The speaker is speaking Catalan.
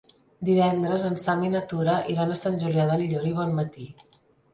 Dimecres en Sam i na Tura iran a Sant Julià del Llor i Bonmatí.